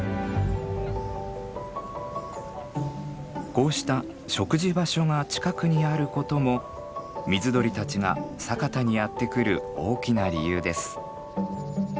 こうした食事場所が近くにあることも水鳥たちが佐潟にやって来る大きな理由です。